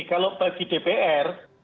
kalau bagi dpr